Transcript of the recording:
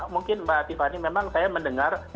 mungkin mbak tiffany memang saya mendengar